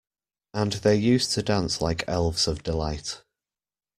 And they used to dance like elves of delight.